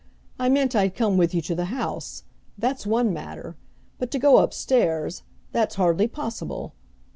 "I meant I'd come with you to the house. That's one matter. But to go up stairs, that's hardly possible!